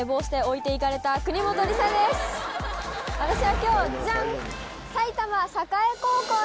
私は今日ジャン！